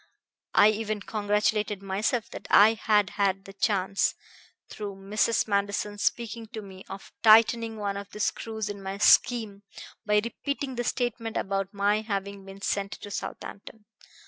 I even congratulated myself that I had had the chance, through Mrs. Manderson's speaking to me, of tightening one of the screws in my scheme by repeating the statement about my having been sent to Southampton."